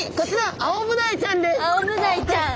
アオブダイちゃん！